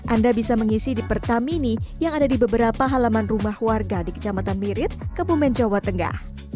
anda bisa mengisi di pertamini yang ada di beberapa halaman rumah warga di kecamatan mirit kebumen jawa tengah